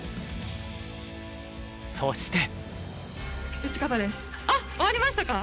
そして。